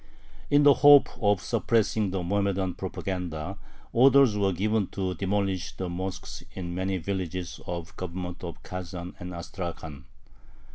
In the hope of suppressing the Mohammedan propaganda, orders were given to demolish the mosques in many villages of the Governments of Kazan and Astrakhan.